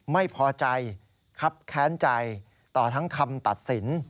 ไม่พอใจครับแค้นใจต่อทั้งคำตัดสิน